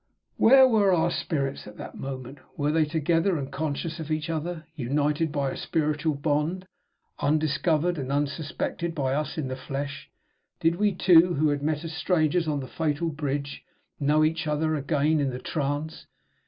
Where were our spirits at that moment? Were they together and conscious of each other? United by a spiritual bond, undiscovered and unsuspected by us in the flesh, did we two, who had met as strangers on the fatal bridge, know each other again in the trance?